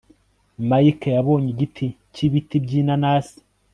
Mike yabonye igiti cyibiti byinanasi